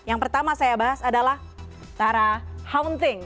yang pertama saya bahas adalah tara hounting